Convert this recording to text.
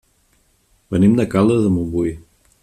Venim de Caldes de Montbui.